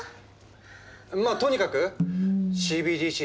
まあとにかくＣＢＤＣ